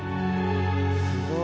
すごい！